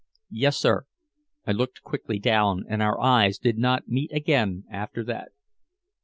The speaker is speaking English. "Yes, sir." I looked quickly down, and our eyes did not meet again after that.